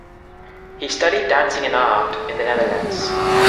He studied dancing and art in the Netherlands.